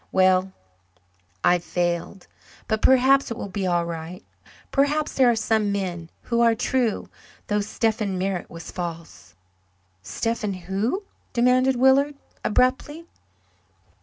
Well, I've failed. But perhaps it will be all right perhaps there are some men who are true, though Stephen Merritt was false." "Stephen who?" demanded Willard abruptly.